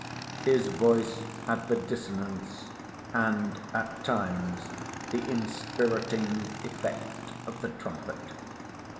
His voice had the dissonance, and at times the inspiriting effect of the trumpet.